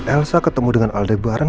elsa ketemu dengan aldebaran